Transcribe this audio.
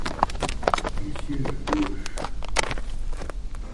Il siège à Gauche.